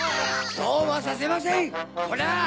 そうはさせませんホラ！